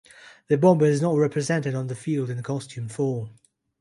The "Bomber" is not represented on the field in costumed form.